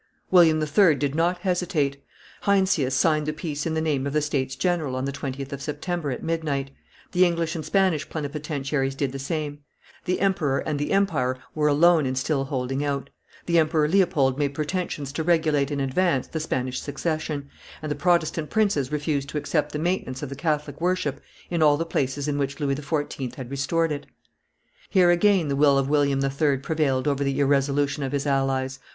William III. did not hesitate. Heinsius signed the peace in the name of the States General on the 20th of September at midnight; the English and Spanish plenipotentiaries did the same; the emperor and the empire were alone in still holding out: the Emperor Leopold made pretensions to regulate in advance the Spanish succession, and the Protestant princes refused to accept the maintenance of the Catholic worship in all the places in which Louis XIV. had restored it. Here again the will of William III. prevailed over the irresolution of his allies.